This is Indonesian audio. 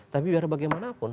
tapi biar bagaimanapun